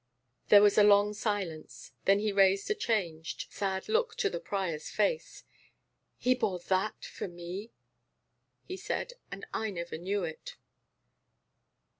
There was a long silence. Then he raised a changed, sad look to the prior's face. "He bore that for me," he said, "and I never knew it."